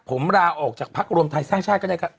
ผมลาออกจากพักรวมไทยสร้างชาติก็ได้ครับ